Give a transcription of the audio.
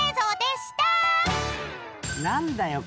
何だよ。